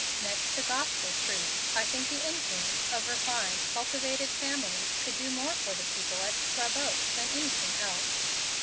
Next to gospel truth, I think the influence of refined, cultivated families could do more for the people at Scrub Oaks than anything else.